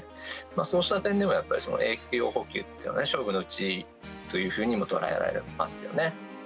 そうした点でも、栄養補給っていうのは、勝負のうちというふうにも捉えられますよね。